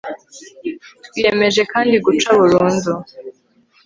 twiyemeje kandi guca burundu